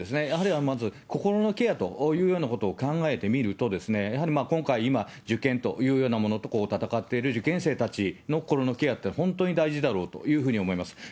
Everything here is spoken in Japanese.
やはりまずは心のケアというようなことを考えてみるとですね、やはり今回、今、受験というようなものと戦っている受験生たちの心のケアって本当に大事だろうというふうに思います。